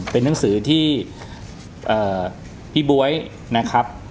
เป็นหนังสือที่พี่บ๊วยนะครับ